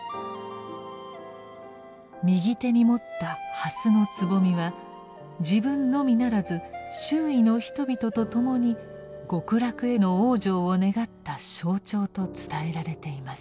右手に持ったはすのつぼみは自分のみならず周囲の人々と共に極楽への往生を願った象徴と伝えられています。